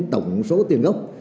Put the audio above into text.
tổng số tiền gốc